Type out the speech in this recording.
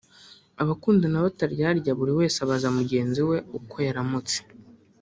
Abakundana bataryarya buri wese abaza mugenzi we uko yaramutse